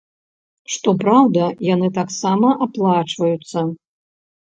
Што праўда, яны таксама аплачваюцца.